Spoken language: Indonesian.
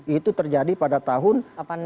itu terjadi pada tahun